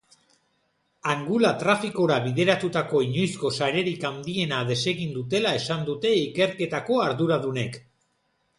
Angula trafikora bideratutako inoizko sarerik handiena desegin dutela esan dute ikerketako arduradunek.